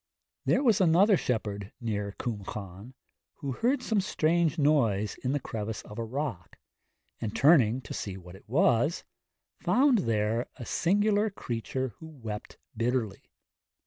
There was another shepherd near Cwm Llan, who heard some strange noise in a crevice of a rock, and turning to see what it was, found there a singular creature who wept bitterly.